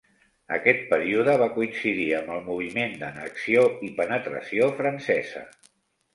Aquest període va coincidir amb el moviment d'annexió i penetració francesa.